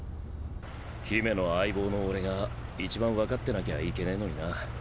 姫の相棒の俺が一番分かってなきゃいけねぇのにな。